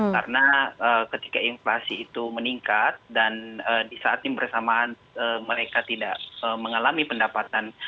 karena ketika inflasi itu meningkat dan di saat ini bersamaan mereka tidak mengalami pendapatan